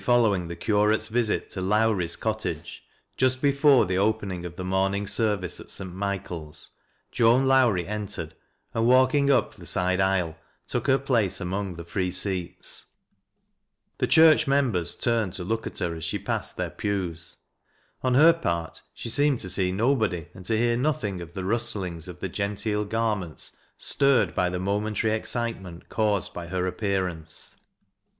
owiiig the curate's visit to Lowrie's cot tage, just before the opening of the morning service al St. Michael's, Joan Lowrie entered, and walking up the side aisle, took her place among the free seats. Tli£ church members turned to look at her as she passed their pews. On her part, she seemed to see nobody and to hear nothing of the rustlings of the genteel garments stirred by the momentary excitement caused by her ap pearance.